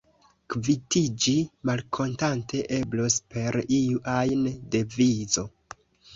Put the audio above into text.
Kvitiĝi malkontante eblos per iu ajn devizo.